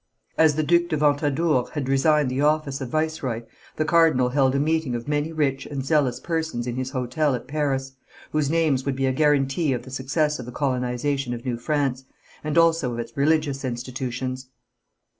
As the due de Ventadour had resigned the office of viceroy, the cardinal held a meeting of many rich and zealous persons in his hotel at Paris, whose names would be a guarantee of the success of the colonization of New France, and also of its religious institutions.